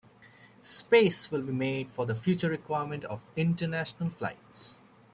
Space will be made for the future requirements of international flights.